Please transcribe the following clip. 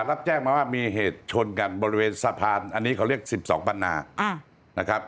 รับแจ้งมาว่ามีเหตุชนกันบริเวณสะพานอันนี้เขาเรียก๑๒ปันนานะครับ